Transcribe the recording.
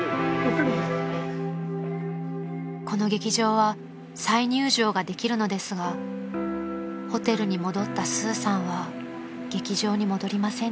［この劇場は再入場ができるのですがホテルに戻ったスーさんは劇場に戻りませんでした］